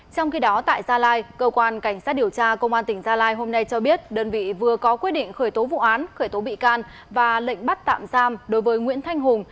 trong khi đó tại gia lai cơ quan cảnh sát điều tra công an tỉnh gia lai hôm nay cho biết đơn vị vừa có quyết định khởi tố vụ án khởi tố bị can và lệnh bắt tạm giam đối với nguyễn thanh hùng